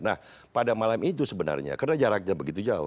nah pada malam itu sebenarnya karena jaraknya begitu jauh